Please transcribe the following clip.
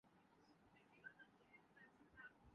جی جی پہچان لیا۔